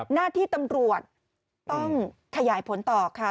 หน้าที่ตำรวจต้องขยายผลต่อค่ะ